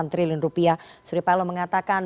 sembilan triliun rupiah surya paloh mengatakan